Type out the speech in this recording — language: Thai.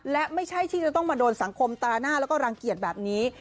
และไม่ใช่ที่จะต้องมาโดนสังคมตราหน้าแล้วก็รังเกียจแบบนี้